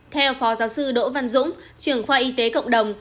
theo phó giáo sư đỗ văn dũng trưởng khoa y tế cộng đồng